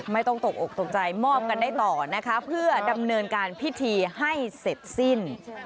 ไม่ต้องตกอกตกใจมอบกันได้ต่อนะคะเพื่อดำเนินการพิธีให้เสร็จสิ้น